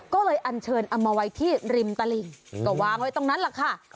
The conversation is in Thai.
ก็เลยอันเชิญเอามาไว้ที่ริมตลิ่งก็วางไว้ตรงนั้นแหละค่ะ